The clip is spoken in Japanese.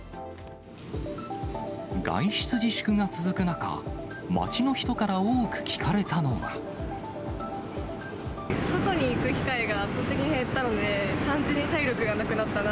外出自粛が続く中、外に行く機会が圧倒的に減ったので、単純に体力がなくなったな。